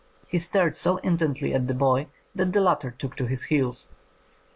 He stared so intently at the boy that the latter took to his heels."